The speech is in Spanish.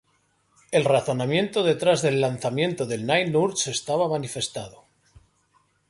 El razonamiento detrás del lanzamiento de Night Nurse estaba manifestado.